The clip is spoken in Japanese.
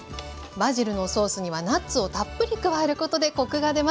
バジルのソースにはナッツをたっぷり加えることでコクが出ます。